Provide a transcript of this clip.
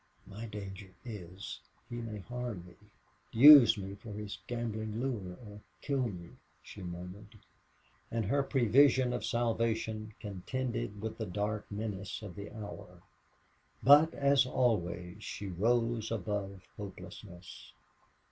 "My danger is, he may harm me, use me for his gambling lure, or kill me," she murmured. And her prevision of salvation contended with the dark menace of the hour. But, as always, she rose above hopelessness.